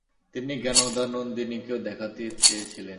তিনি জ্ঞানদানন্দিনীকেও দেখাতে চেয়েছিলেন।